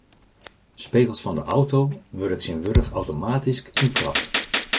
Spegels fan de auto wurde tsjintwurdich automatysk ynklapt.